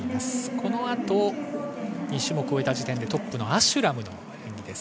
このあと２種目を終えた時点でトップのアシュラムの演技です。